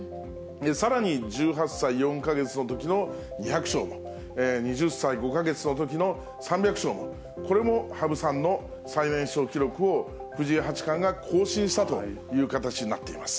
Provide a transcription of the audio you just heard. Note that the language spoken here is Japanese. さらに、１８歳４か月のときの２００勝も、２０歳５か月のときの３００勝も、これも羽生さんの最年少記録を藤井八冠が更新したという形になっています。